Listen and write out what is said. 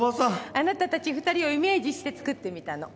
あなたたち２人をイメージして作ってみたの。